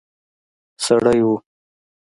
سړی وو.